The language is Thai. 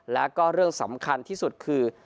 แล้วก็เรื่องสำคัญที่สุดคือ